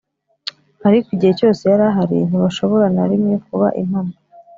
ariko igihe cyose yari ahari ntibashobora na rimwe kuba impamo